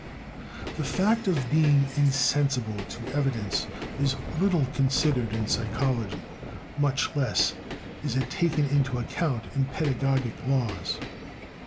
The fact of being insensible to evidence is little considered in psychology, much less is it taken into account in pedagogic laws.